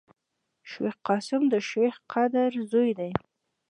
شېخ قاسم دشېخ قدر زوی دﺉ.